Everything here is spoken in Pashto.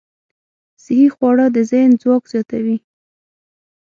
صحي خواړه د ذهن ځواک زیاتوي.